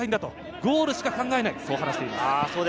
ゴールしか考えないと話しています。